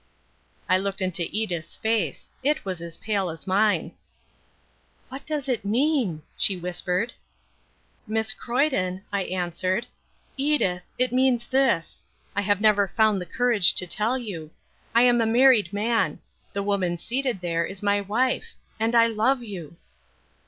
I looked into Edith's face. It was as pale as mine. "What does it mean?" she whispered. "Miss Croyden," I answered, "Edith it means this. I have never found the courage to tell you. I am a married man. The woman seated there is my wife. And I love you."